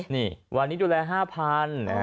นี่วันนี้ดูแล๕๐๐๐อันดับ